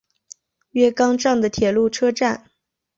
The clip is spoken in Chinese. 月冈站的铁路车站。